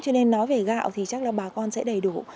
cho nên nói về gạo thì chắc là bà con sẽ đầy đủ